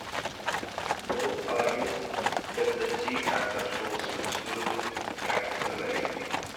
The book argues that the "g" factor shows considerable practical validity.